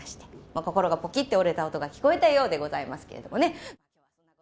心がポキって折れた音が聞こえたようでございますけれどもね。